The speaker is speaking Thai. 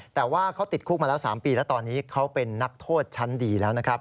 แต่ว่าเขาติดคุกมาแล้ว๓ปีแล้วตอนนี้เขาเป็นนักโทษชั้นดีแล้วนะครับ